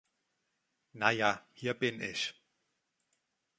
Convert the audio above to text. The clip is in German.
Naja, hier bin ich.